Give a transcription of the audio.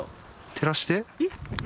照らして。